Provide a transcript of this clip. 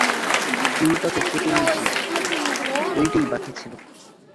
চুলটা তো কেটেইছিস, ঐটেই বাকি ছিল।